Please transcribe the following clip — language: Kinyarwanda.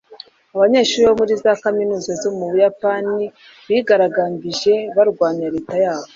abanyeshuri bo muri za kaminuza zo mu Buyapani bigaragambije barwanya leta yabo.